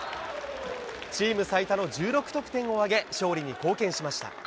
チーム最多の１６得点を挙げ、勝利に貢献しました。